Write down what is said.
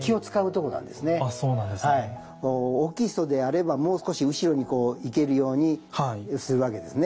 大きい人であればもう少し後ろにこう行けるようにするわけですね。